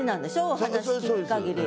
お話聞くかぎり。